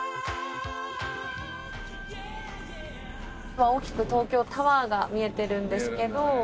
今大きく東京タワーが見えてるんですけど。